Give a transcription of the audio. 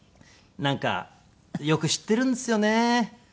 なんかよく知っているんですよね。